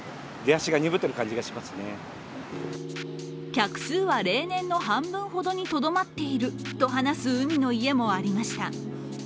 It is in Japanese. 客数は例年の半分ほどにとどまっていると話す海の家もありました。